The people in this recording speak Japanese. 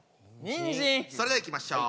それではいきましょう！